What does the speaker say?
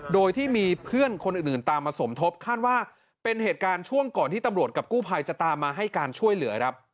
โดยที่มีเพื่อนคนอื่นตามมาสมทบคาดว่าเป็นเหตุการณ์ช่วงก่อนที่ตำรวจกับกู้ภัยจะตามมาให้การช่วยเหลือครับ